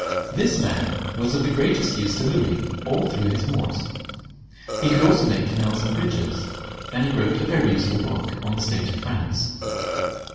This man was of the greatest use to Louis all through his wars; he could also make canals and bridges ; and he wrote a very useful book on the state of France.